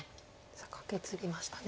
カケツギましたね。